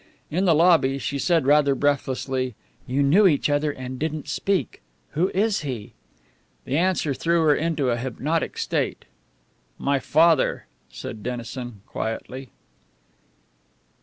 In the lobby she said rather breathlessly: "You knew each other and didn't speak! Who is he?" The answer threw her into a hypnotic state. "My father," said Dennison, quietly.